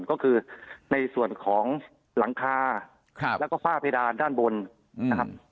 ก็คือในส่วนของหลังคาแล้วก็ฝ้าเพดานด้านบนนะครับ